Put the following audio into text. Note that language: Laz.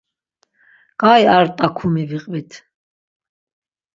Ǩai ar t̆akumi viqvit.